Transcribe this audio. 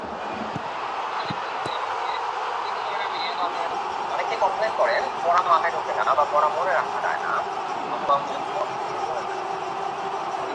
কিন্তু ফরমেশনের চেয়ে খেলোয়াড়েরা কীভাবে নিজেদের প্রস্তুত করছে, সেটাই বেশি গুরুত্বপূর্ণ।